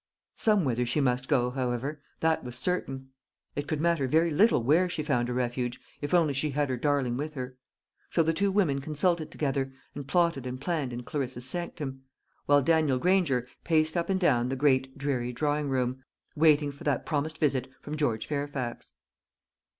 Somewhither she must go, however that was certain. It could matter very little where she found a refuge, if only she had her darling with her. So the two women consulted together, and plotted and planned in Clarissa's sanctum; while Daniel Granger paced up and down the great dreary drawing room, waiting for that promised visit from George Fairfax.